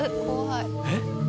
えっ？